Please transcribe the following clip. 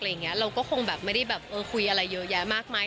เราก็คงไม่ได้ฮ่ยคุ้ยอะไรเยอะมากมาย